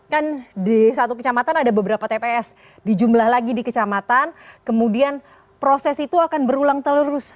kan di satu kecamatan ada beberapa tps dijumlah lagi di kecamatan kemudian proses itu akan berulang terus